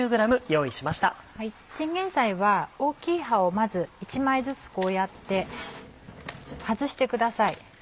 チンゲンサイは大きい葉をまず１枚ずつこうやって外してください。